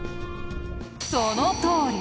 そのとおり！